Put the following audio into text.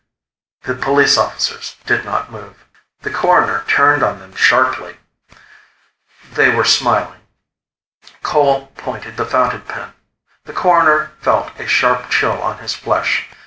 The police officers did not move. The Coroner turned on them sharply. They were smiling. Cole pointed the fountain pen. The Coroner felt a sharp chill on his flesh.